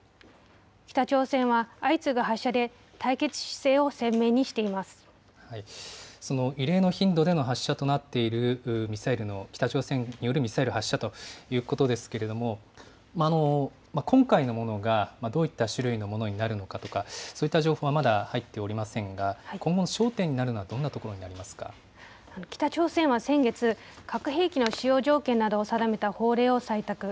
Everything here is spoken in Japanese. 北朝鮮は相次ぐ発射で対決姿勢をその異例の頻度での発射となっているミサイルの北朝鮮によるミサイル発射ということですけれども、今回のものがどういった種類のものになるのかとか、そういった情報はまだ入っておりませんが、今後の焦点になるのはどんな北朝鮮は先月、核兵器の使用条件などを定めた法令を採択。